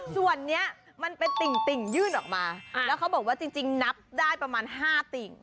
ส่วนนี้มันเป็นติ่งยื่นออกมาแล้วเขาบอกว่าจริงนับได้ประมาณ๕ติ่ง